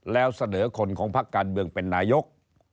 แล้วเสนอคนของพักการเมืองเป็นนายก